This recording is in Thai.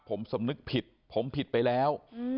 ผมสำนึกผิดผมผิดไปแล้ว